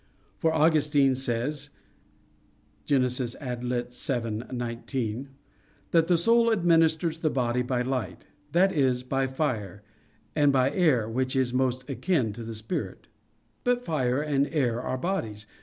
For Augustine says (Gen. ad lit. vii, 19), that "the soul administers the body by light," that is, by fire, "and by air, which is most akin to a spirit." But fire and air are bodies.